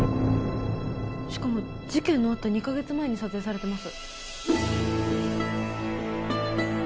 しかも事件のあった２カ月前に撮影されてます